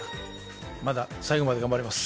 まだ最後まで頑張ります